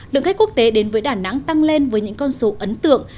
lượng khách quốc tế đến với đà nẵng tăng lên với những con số ấn tượng